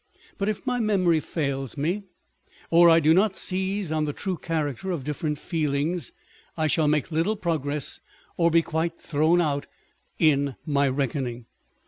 But if my memory fails me, or I do not seize on the true character of different feelings, I shall make little progress, or be quite thrown out in my reckoning.